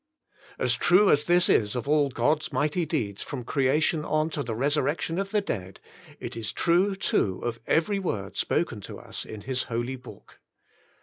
As true as this is of all God's mighty deeds from creation on to the resurrection of the dead, it is true too of every word spoken to us in His holy book.